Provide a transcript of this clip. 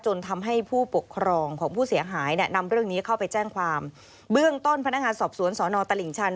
จนทำให้ผู้ปกครองของผู้เสียหายเนี่ยนำเรื่องนี้เข้าไปแจ้งความเบื้องต้นพนักงานสอบสวนสอนอตลิ่งชัน